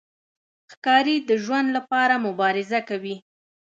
ښکاري د ژوند لپاره مبارزه کوي.